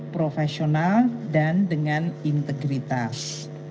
profesional dan dengan integritas